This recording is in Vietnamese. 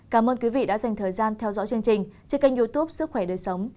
cảm ơn quý vị đã dành thời gian theo dõi chương trình trên kênh youtube sức khỏe đời sống